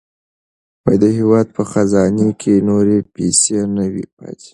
د هېواد په خزانې کې نورې پیسې نه وې پاتې.